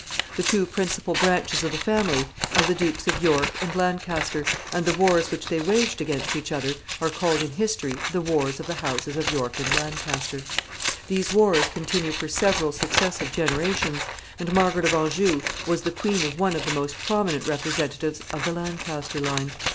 The two principal branches of the family were the descendants respectively of the Dukes of York and Lancaster, and the wars which they waged against each other are called in history the wars of the houses of York and Lancaster. These wars continued for several successive generations, and Margaret of Anjou was the queen of one of the most prominent representatives of the Lancaster line.